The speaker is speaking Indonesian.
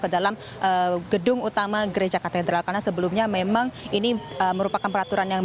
ke dalam gedung utama gereja katedral karena sebelumnya memang ini merupakan peraturan yang